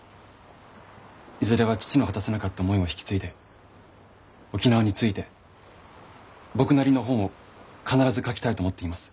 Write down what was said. いずれは父の果たせなかった思いも引き継いで沖縄について僕なりの本を必ず書きたいと思っています。